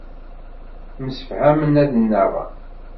Msefhamen ad nnaɣen.